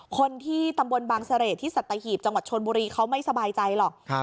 คนที่ตำบลบางเสร่ที่สัตหีบจังหวัดชนบุรีเขาไม่สบายใจหรอก